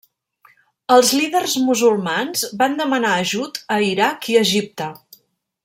Els líders musulmans van demanar ajut a Iraq i Egipte.